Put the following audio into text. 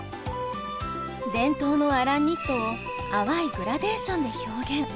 伝統のアランニットを淡いグラデーションで表現。